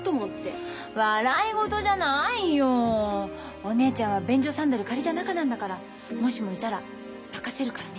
お姉ちゃんは便所サンダル借りた仲なんだからもしもいたら任せるからね。